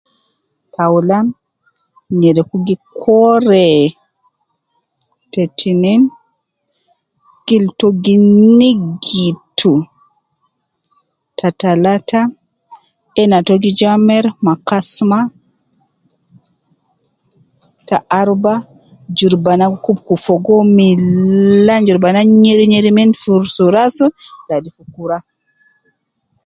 Taulan nyereku gi kore, te tinin gil to gi niggitu ,ta talata ena to gi ja amer ma kasuma, ta aruba jurubana gi kun kub fogo uwo milan, jurubana nyeri nyeri min fi suu rasi ladi fi kura